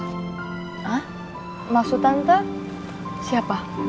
hah maksud tante siapa